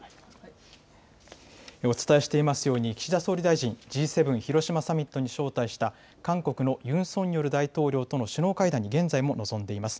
お伝えしていますように、岸田総理大臣、Ｇ７広島サミットに招待した韓国のユン・ソンニョル大統領との首脳会談に現在も臨んでいます。